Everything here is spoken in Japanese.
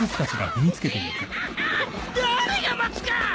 誰が待つか！